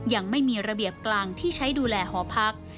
ยังไม่มีระเบียบกลางที่ใช้ดูแลหอพัก